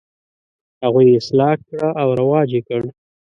هغوی یې اصلاح کړه او رواج یې کړ.